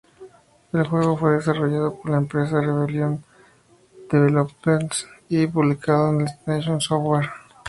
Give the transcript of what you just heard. El juego fue desarrollado por la empresa Rebellion Developments y publicado por Destination Software.